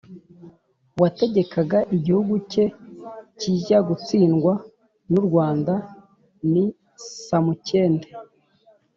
wategekaga igihugu cye kijya gutsindwa n'u rwanda ni samukende,